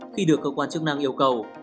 khi được cơ quan chức năng yêu cầu